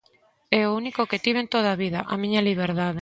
É o único que tiven toda a vida, a miña liberdade.